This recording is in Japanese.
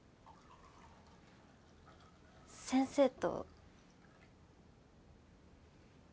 先生と。